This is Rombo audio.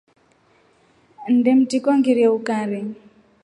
Nnde mtriko ngirie ukari.